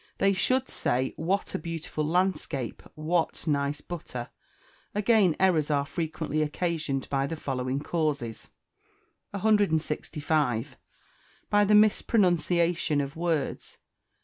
They should say, "What a beautiful landscape!" "What nice butter!" Again, errors are frequently occasioned by the following causes: 165. By the Mispronunciation of Words.